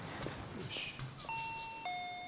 よし。